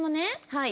はい。